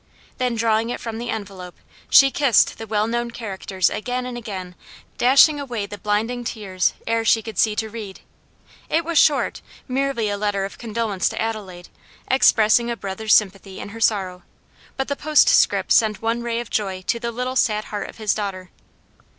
Then drawing it from the envelope, she kissed the well known characters again and again, dashing away the blinding tears ere she could see to read. It was short; merely a letter of condolence to Adelaide, expressing a brother's sympathy in her sorrow; but the postscript sent one ray of joy to the little sad heart of his daughter.